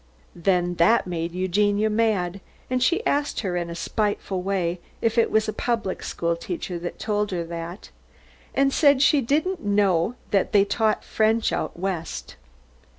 Then that made Eugenia mad, and she asked her in a spiteful way if it was a public school teacher that told her that, and said she didn't know that they taught French out West.